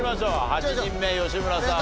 ８人目吉村さん